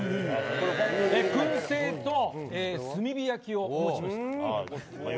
燻製と炭火焼きをお持ちしました。